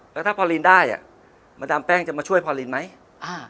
แล้วถ้าพอลินได้อ่ะมาดามแป้งจะมาช่วยพอลินไหมอ่า